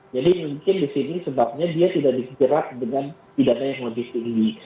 jadi mungkin di sini sebabnya dia tidak disikirkan dengan pidana yang lebih tinggi